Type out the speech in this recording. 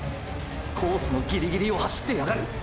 コースのギリギリを走ってやがる！！